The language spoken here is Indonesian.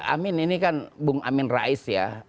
amin ini kan bung amin rais ya